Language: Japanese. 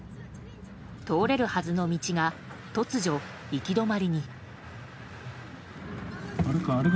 通れるはずの道が、突如行き止まりに。